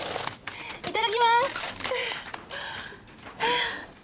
いただきまーす！